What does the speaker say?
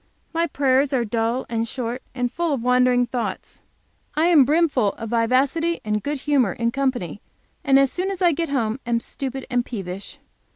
My prayers are dull and short, and full of wandering thoughts. I am brimful of vivacity and good humor in company, and as soon as I get home am stupid and peevish.